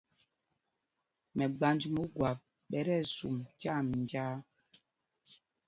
Mɛgbanj mɛ Ogwap ɓɛ tí ɛsum tyaa minjāā.